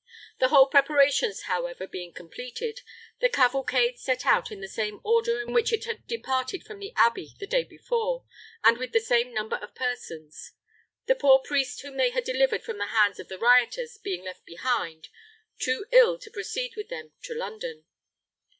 The whole preparations, however, being completed, the cavalcade set out in the same order in which it had departed from the abbey the day before, and with the same number of persons; the poor priest whom they had delivered from the hands of the rioters being left behind, too ill to proceed with them to London.